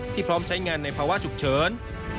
พร้อมใช้งานในภาวะฉุกเฉิน